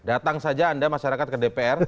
datang saja anda masyarakat ke dpr